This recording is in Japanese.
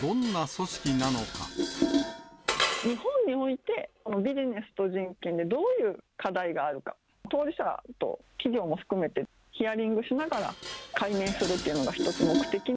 日本において、ビジネスと人権にどういう課題があるか、当事者と企業も含めて、ヒアリングしながら解明するっていうのが一つの目的。